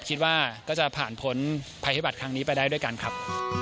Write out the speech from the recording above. คิดว่าก็จะผ่านพ้นภัยพิบัตรครั้งนี้ไปได้ด้วยกันครับ